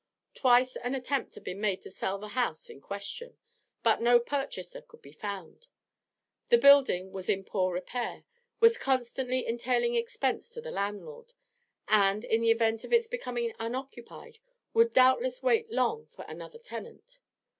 Twice an attempt had been made to sell the house in question, but no purchaser could be found; the building was in poor repair, was constantly entailing expense to the landlord, and, in the event of its becoming unoccupied, would doubtless wait long for another tenant.